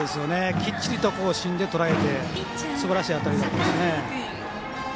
きっちりと芯でとらえてすばらしい当たりでしたね。